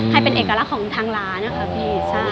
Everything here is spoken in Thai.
ให้เป็นเอกลักษณ์ของทางร้านนะคะพี่